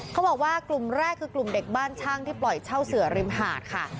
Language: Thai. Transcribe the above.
เขาบอกว่ากลุ่มแรกคือกลุ่มเด็กบ้านช่างที่ปล่อยเช่าเสือริมหาดค่ะ